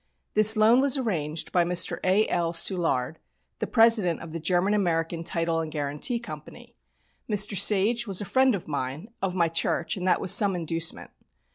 This loan was arranged by Mr. A.L. Soulard, the president of the German American Title and Guarantee Company. Mr. Sage was a friend of mine, of my church, and that was some inducement.